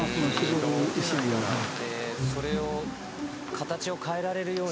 形を変えられるように。